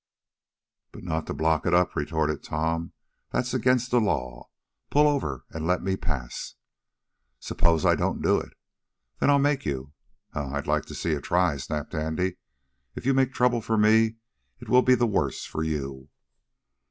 "But not to block it up," retorted Tom. "That's against the law. Pull over and let me pass!" "Suppose I don't do it?" "Then I'll make you!" "Huh! I'd like to see you try it!" snapped Andy. "If you make trouble for me, it will be the worse for you."